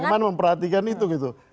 bagaimana memperhatikan itu gitu